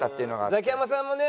ザキヤマさんもね